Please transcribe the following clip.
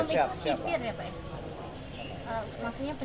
itu oknum itu sipir ya pak